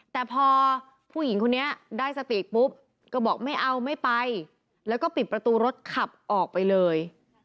แต่พอผู้หญิงคนนี้ได้สติปุ๊บก็บอกไม่เอาไม่ไปแล้วก็ปิดประตูรถขับออกไปเลย